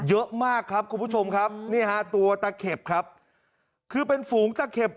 เยอะมากครับคุณผู้ชมครับนี่ฮะตัวตะเข็บครับคือเป็นฝูงตะเข็บ